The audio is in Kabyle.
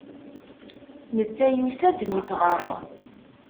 Netta yusa-d mi ffɣeɣ.